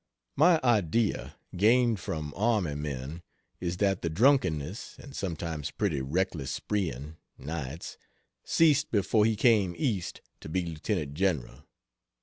........................... My idea gained from army men, is that the drunkenness (and sometimes pretty reckless spreeing, nights,) ceased before he came East to be Lt. General.